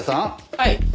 はい。